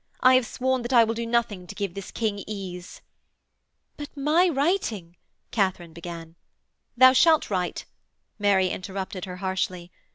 I have sworn that I will do nothing to give this King ease.' 'But my writing....' Katharine began. 'Thou shalt write,' Mary interrupted her harshly.